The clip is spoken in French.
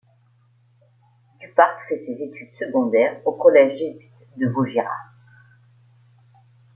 Duparc fait ses études secondaires au collège jésuite de Vaugirard.